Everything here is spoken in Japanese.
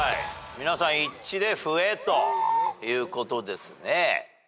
皆さん一致で笛ということですね。